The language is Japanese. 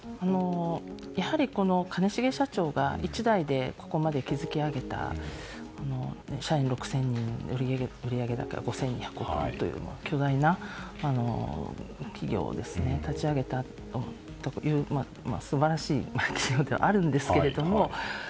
やはり、兼重社長が一代でここまで築き上げた社員６０００人の売上高５５００億円という巨大な企業を立ち上げたという素晴らしい社長ではあるんですけど。